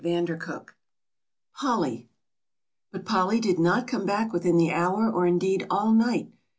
CHAPTER XX "POLLY" But Polly did not come back within the hour or indeed all night.